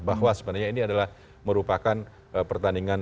bahwa sebenarnya ini adalah merupakan pertandingan